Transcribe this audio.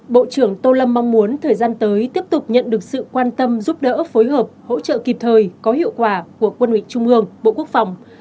bộ trưởng tô lâm mong muốn thời gian tới tiếp tục nhận được sự quan tâm giúp đỡ phối hợp hỗ trợ kịp thời có hiệu quả của quân ủy trung ương bộ quốc phòng